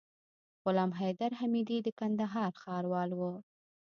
غلام حيدر حميدي د کندهار ښاروال وو.